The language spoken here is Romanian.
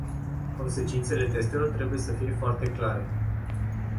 Consecințele testelor trebuie să fie foarte clare.